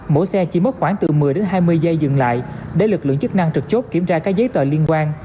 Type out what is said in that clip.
mỗi xe chỉ mất khoảng từ một mươi đến hai mươi giây dừng lại để lực lượng chức năng trực chốt kiểm tra các giấy tờ liên quan